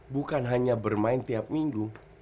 bukan hanya bermain tiap minggu